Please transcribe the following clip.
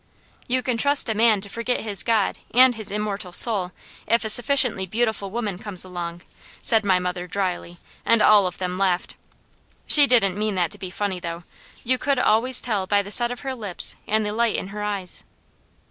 "You can trust a man to forget his God and his immortal soul if a sufficiently beautiful woman comes along," said my mother dryly, and all of them laughed. She didn't mean that to be funny, though. You could always tell by the set of her lips and the light in her eyes.